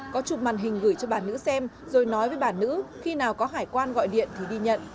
có chụp màn hình gửi cho bà nữ xem rồi nói với bà nữ khi nào có hải quan gọi điện